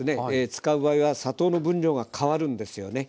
使う場合は砂糖の分量が変わるんですよね。